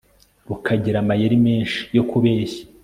rukagira amayeri menshi yo kubeshya